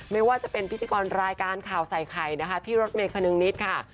ไม่ว่าจะเป็นพิธีกรรายการข่าวใส่ไข่นะคะพี่รถเมย์คนึงนิดค่ะ